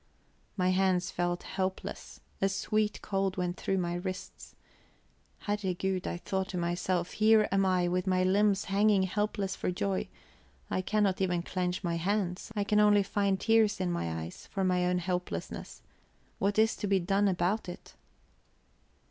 My hands felt helpless; a sweet cold went through my wrists. Herregud! I thought to myself, here am I with my limbs hanging helpless for joy; I cannot even clench my hands; I can only find tears in my eyes for my own helplessness. What is to be done about it?